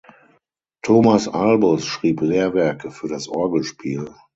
Thomas Albus schrieb Lehrwerke für das Orgelspiel.